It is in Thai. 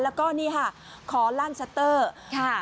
แล้วก็นี่ค่ะคอลั่นสัตเตอร์ค่ะ